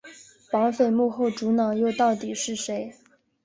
绑匪幕后主脑又到底是谁？